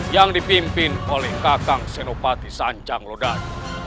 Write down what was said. yang dipimpin oleh kakang senopati sancang lodan